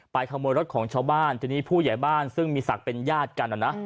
ขโมยรถของชาวบ้านทีนี้ผู้ใหญ่บ้านซึ่งมีศักดิ์เป็นญาติกันนะ